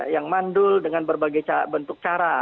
yang mandul dengan berbagai bentuk cara